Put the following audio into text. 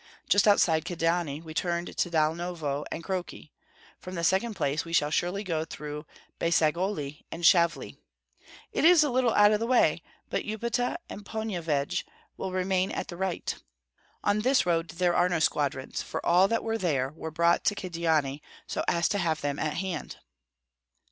Just outside Kyedani we turned to Dalnovo and Kroki; from the second place we shall go surely through Beysagoli and Shavli. It is a little out of the way, but Upita and Ponyevyej will remain at the right. On this road there are no squadrons, for all that were there were brought to Kyedani, so as to have them at hand."